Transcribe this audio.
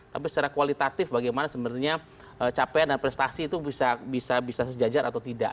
tapi secara kualitatif bagaimana sebenarnya capaian dan prestasi itu bisa sejajar atau tidak